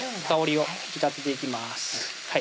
香りを引き立てていきます